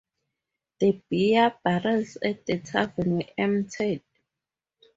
The beer barrels at the tavern were emptied.